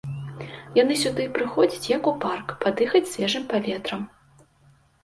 Яны сюды прыходзяць як у парк, падыхаць свежым паветрам.